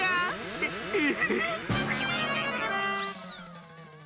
ええ。